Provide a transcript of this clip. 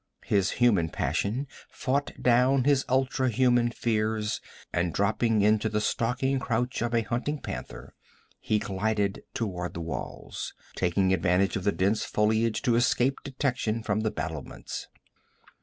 His human passion fought down his ultra human fears, and dropping into the stalking crouch of a hunting panther, he glided toward the walls, taking advantage of the dense foliage to escape detection from the battlements.